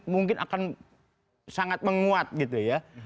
mungkin akan sangat menguat gitu ya